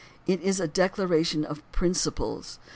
It is a declara tion of principles.